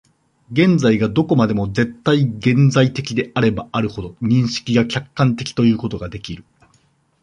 現在がどこまでも絶対現在的であればあるほど、認識が客観的ということができる。